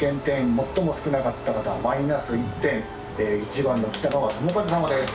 最も少なかった方マイナス１点１番のキタガワトモカズ様です。